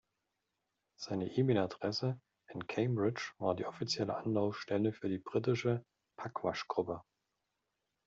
Seine E-Mail-Adresse in Cambridge war die offizielle Anlaufstelle für die britische Pugwash-Gruppe.